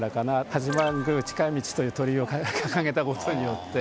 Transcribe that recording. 八幡宮近道という鳥居を掲げた事によって。